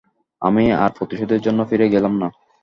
আমি আর প্রতিশোধের জন্য ফিরে গেলাম না।